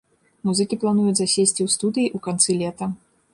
Музыкі плануюць засесці ў студыі ў канцы лета.